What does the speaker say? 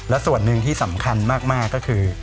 และส่วนหนึ่งที่สำคัญมากก็คือ